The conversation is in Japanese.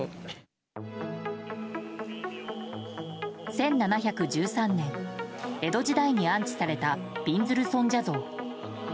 １７１３年、江戸時代に安置された、びんずる尊者像。